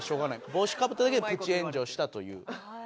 帽子かぶっただけでプチ炎上したという。